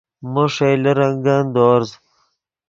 مو ݰئیلے رنگن دورز